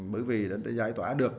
bởi vì đã giải tỏa được